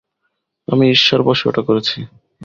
আমি ঈর্ষার বশে ওটা করেছি।